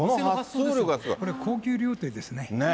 これ、高級料亭ですね。